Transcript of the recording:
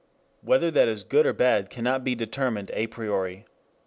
Whether that is good or bad cannot be determined a priori.